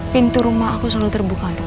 pintu rumah aku selalu terbuka untuk papa